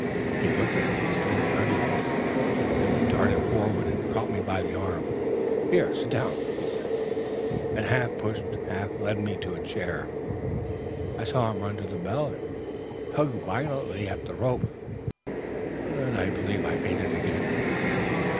He looked at me, still incredulous, and then darted forward and caught me by the arm. 'Here, sit down,' he said, and half pushed, half led me to a chair. I saw him run to the bell and tug violently at the rope. Then I believe I fainted again.